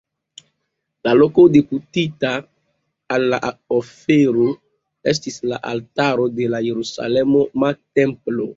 La loko deputita al la ofero estis la altaro de la Jerusalema templo.